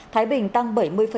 thái bình tăng một mươi ba bốn